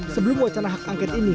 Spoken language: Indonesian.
sebelum wacana hak angket ini